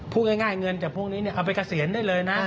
พูดง่ายเงินจากพวกนี้เอาไปเกษียณได้เลยนะ